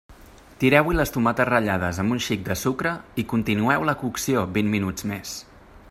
Tireu-hi les tomates ratllades amb un xic de sucre i continueu la cocció vint minuts més.